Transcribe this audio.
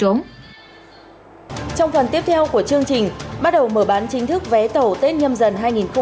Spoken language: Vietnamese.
trong phần tiếp theo của chương trình bắt đầu mở bán chính thức vé tàu tết nhâm dần hai nghìn hai mươi bốn